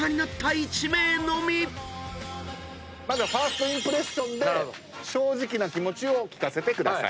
まずは１ｓｔインプレッションで正直な気持ちを聞かせてください。